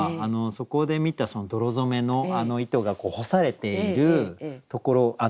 そこで見た泥染めの糸が干されているところ。